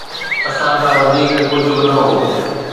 اسان کان وڌيڪ ڪجهه به نه هو